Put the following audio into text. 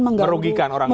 merugikan orang lain